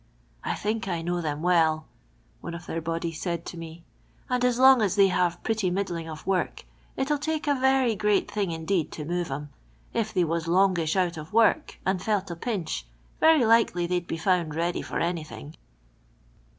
" I think I know them well," one of their body said to me, *' and as long as they have pretty middling of work, it '11 take a very great thing indeed to move 'em. If they was longish out of work and felt a pinch, very likely they'd be found ready for anything."